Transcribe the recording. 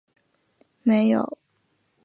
没有证据证明该病和红斑狼疮有关。